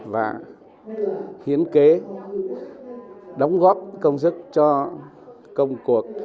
và hiến kế đóng góp công sức cho công cuộc